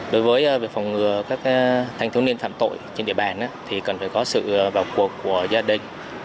đối với việc phòng ngừa các thanh thiếu niên phạm tội trên địa bàn thì cần phải có sự vào cuộc của gia đình